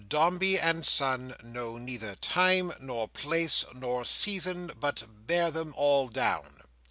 Dombey and Son know neither time, nor place, nor season, but bear them all down.